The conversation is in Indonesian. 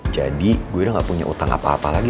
jadi gue udah gak punya utang apa apa lagi